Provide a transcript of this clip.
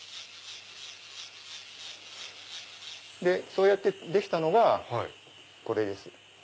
そうやってできたのがこれです。